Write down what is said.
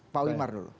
pak wimar dulu